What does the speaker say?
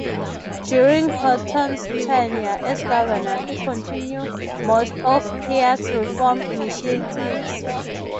During Horton's tenure as governor, he continued most of Peay's reform initiatives.